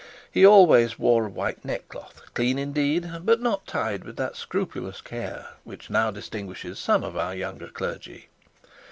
He always wore a white neckcloth, clean indeed, but not tied with that scrupulous care which now distinguishes some of our younger clergy.